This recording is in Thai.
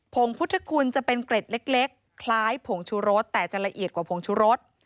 งพุทธคุณจะเป็นเกร็ดเล็กคล้ายผงชูรสแต่จะละเอียดกว่าผงชุรส